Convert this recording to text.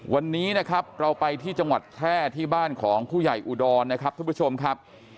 วันนี้นะครับเราไปที่จังหวัดแพร่ที่บ้านของผู้ใหญ่อุดรนะครับท่านผู้ชมครับ